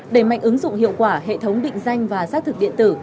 đẩy mạnh ứng dụng hiệu quả hệ thống định danh và xác thực điện tử